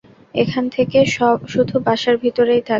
এখন থেকে শুধু বাসার ভিতরেই থাকবে।